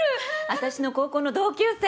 私の高校の同級生！